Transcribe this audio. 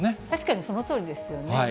確かにそのとおりですよね。